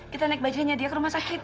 kita naik bajanya dia ke rumah sakit